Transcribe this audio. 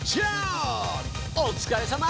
おつかれさま！